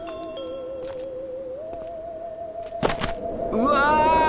うわ！